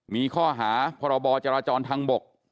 มีข้อหาพรบจราจรทางบก